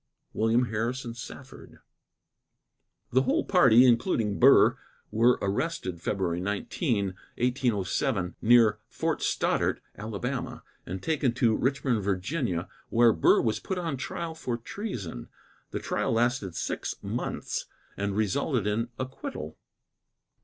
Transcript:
WILLIAM HARRISON SAFFORD. The whole party, including Burr, were arrested February 19, 1807 near Fort Stoddart, Ala., and taken to Richmond, Va., where Burr was put on trial for treason. The trial lasted six months, and resulted in acquittal.